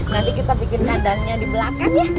nanti kita bikin kandangnya di belakang ya